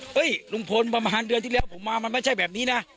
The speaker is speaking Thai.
ลุงพลประมาณเดือนที่แล้วผมมามันไม่ใช่แบบนี้นะ